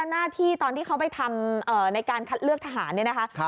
หน้าที่ตอนที่เขาไปทำในการคัดเลือกทหารเนี่ยนะคะ